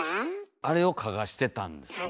あれをかがしてたんですね。